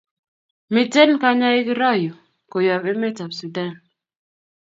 Miten Kanyaik iroyu koyab emet ab sudan